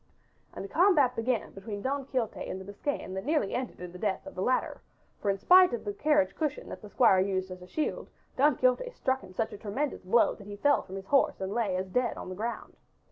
And a combat began between Don Quixote and the Biscayan that nearly ended in the death of the latter, for in spite of the carriage cushion that the squire used as a shield, Don Quixote struck him such a tremendous blow that he fell from his horse and lay as dead on the ground.